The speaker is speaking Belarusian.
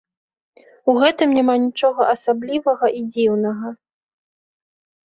У гэтым няма нічога асаблівага і дзіўнага.